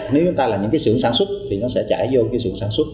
nếu chúng ta là những sưởng sản xuất thì nó sẽ chạy vô sưởng sản xuất